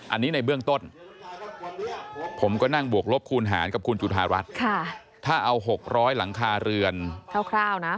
อันนี้ในเบื้องต้นผมก็นั่งบวกลบคูณหารกับคุณจุธารัฐถ้าเอา๖๐๐หลังคาเรือนคร่าวนะ